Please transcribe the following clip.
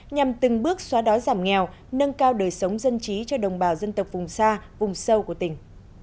nhằm từng bước xóa đói giảm nghèo nâng cao đời sống dân trí cho đồng bào dân tộc vùng xa vùng sâu của tỉnh